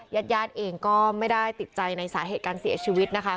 ญาติญาติเองก็ไม่ได้ติดใจในสาเหตุการเสียชีวิตนะคะ